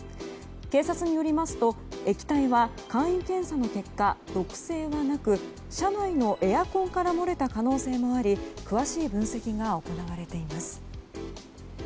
警察によりますと液体は簡易検査の結果、毒性はなく車内のエアコンから漏れた可能性もあり詳しい分析が行われています。